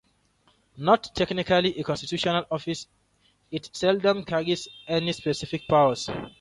Not technically a constitutional office, it seldom carries any specific powers.